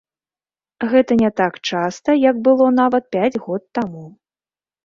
Гэта не так часта, як было нават пяць год таму.